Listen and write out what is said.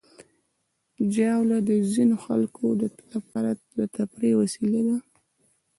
ژاوله د ځینو خلکو لپاره تفریحي وسیله ده.